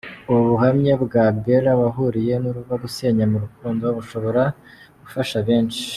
Ubu buhamya bwa Bella wahuriye n’uruva gusenya mu rukundo bushobora gufasha benshi.